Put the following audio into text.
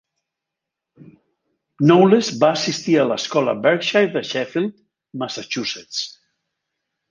Knowles va assistir a l'escola Berkshire de Sheffield, Massachusetts.